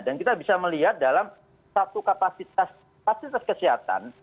dan kita bisa melihat dalam satu kapasitas kapasitas kesehatan